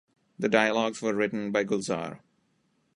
The dialogues were written by Gulzar.